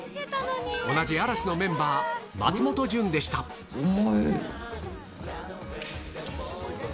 同じ嵐のメンバー、松本潤でお前。